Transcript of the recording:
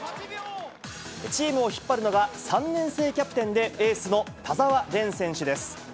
チームを引っ張るのが３年生キャプテンでエースの田澤廉選手です。